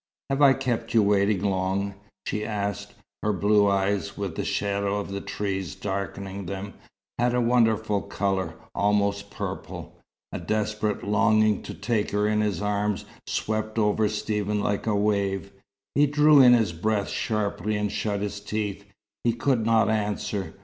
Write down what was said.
"Have I kept you waiting long?" she asked. Her blue eyes, with the shadow of the trees darkening them, had a wonderful colour, almost purple. A desperate longing to take her in his arms swept over Stephen like a wave. He drew in his breath sharply and shut his teeth. He could not answer.